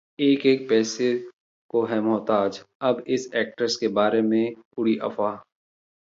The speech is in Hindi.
एक-एक पैसे को हैं मोहताज... जब इस एक्ट्रेस के बारे में उड़ी अफवाह